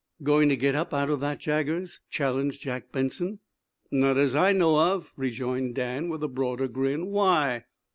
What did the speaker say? "Going to get up out of that, Jaggers?" challenged Jack Benson. "Not as I know of," rejoined Dan, with a broader grin. "Why?"